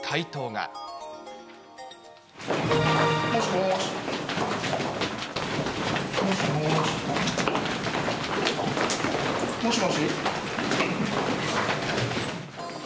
もしもーし。